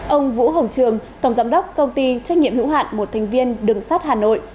ông vũ hồng trường tổng giám đốc công ty trách nhiệm hữu hạn một thành viên đường sắt hà nội